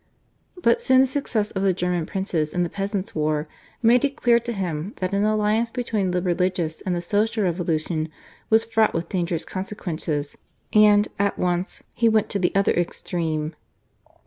But soon the success of the German princes in the Peasants' War made it clear to him that an alliance between the religious and the social revolution was fraught with dangerous consequences; and, at once, he went to the other extreme.